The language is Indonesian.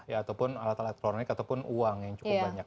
ya ataupun alat alat elektronik ataupun uang yang cukup banyak